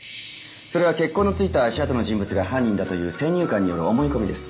それは血痕の付いた足跡の人物が犯人だという先入観による思い込みです。